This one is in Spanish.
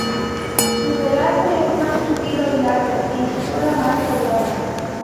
Su pelaje es más tupido y largo y su cola más poblada.